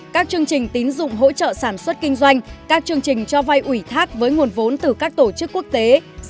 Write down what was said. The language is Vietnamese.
các chương trình tín dụng hỗ trợ sản xuất kinh doanh các chương trình cho vay ủy thác với nguồn vốn từ các tổ chức quốc tế